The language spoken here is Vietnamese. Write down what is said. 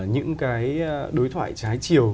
những cái đối thoại trái chiều